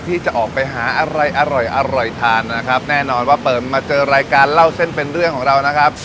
ที่จะออกไปหาอะไรอร่อยอร่อยทานนะครับแน่นอนว่าเปิดมาเจอรายการเล่าเส้นเป็นเรื่องของเรานะครับ